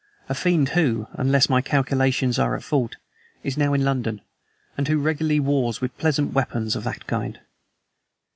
"A fiend who, unless my calculations are at fault is now in London, and who regularly wars with pleasant weapons of that kind.